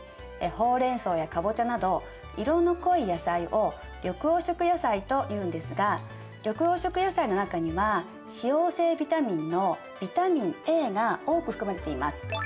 ほうれんそうやカボチャなど色の濃い野菜を緑黄色野菜というんですが緑黄色野菜の中には脂溶性ビタミンのビタミンＡが多く含まれています。